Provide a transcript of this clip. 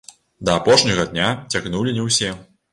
Да апошняга дня цягнулі не ўсе.